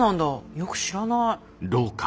よく知らない。